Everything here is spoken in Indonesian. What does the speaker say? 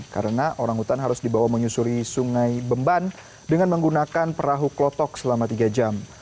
karena orang utan harus dibawa menyusuri sungai bemban dengan menggunakan perahu klotok selama tiga jam